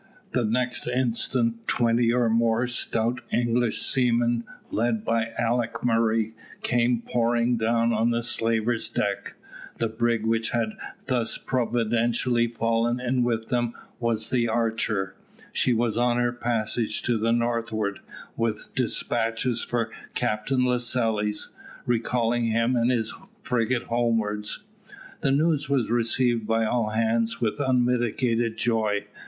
The next instant twenty or more stout English seamen, led by Alick Murray, came pouring down on the slaver's deck. The brig which had thus providentially fallen in with them was the Archer. She was on her passage to the northward with despatches for Captain Lascelles, recalling him and his frigate homewards. The news was received by all hands with unmitigated joy.